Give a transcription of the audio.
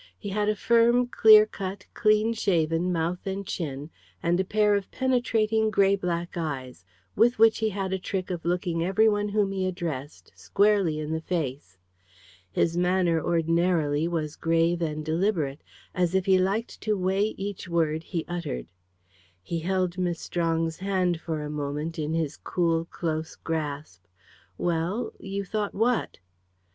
He had a firm, clear cut, clean shaven mouth and chin, and a pair of penetrating grey black eyes, with which he had a trick of looking every one whom he addressed squarely in the face. His manner, ordinarily, was grave and deliberate, as if he liked to weigh each word he uttered. He held Miss Strong's hand for a moment in his cool, close grasp. "Well; you thought what?"